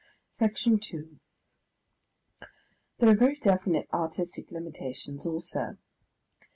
Section 2 There are very definite artistic limitations also.